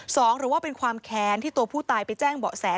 หรือว่าเป็นความแค้นที่ตัวผู้ตายไปแจ้งเบาะแส